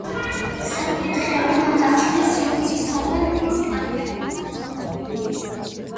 საკურთხეველი დანარჩენი სივრცისაგან ხის კანკელითაა გამოყოფილი.